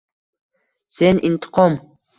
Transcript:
Sen intiqom —